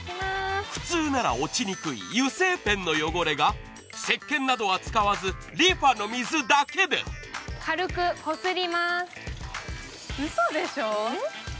普通なら落ちにくい油性ペンの汚れが、石けんなどは使わずＲｅＦａの水だけでうそでしょ。